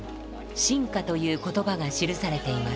「進化」という言葉が記されています。